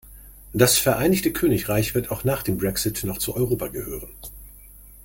Das Vereinigte Königreich wird auch nach dem Brexit noch zu Europa gehören.